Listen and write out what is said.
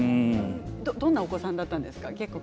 どんなお子さんだったんですか。